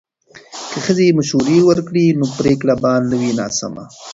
که ښځې مشورې ورکړي نو پریکړه به نه وي ناسمه.